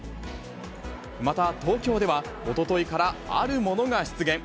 また東京では、おとといからあるものが出現。